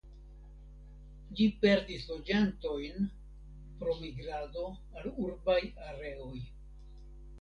Ĝi perdis loĝantojn pro migrado al urbaj areoj.